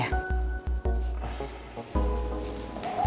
dari semalam juga disini ya